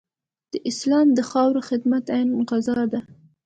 د اسلام د خاورې خدمت عین غزا ده.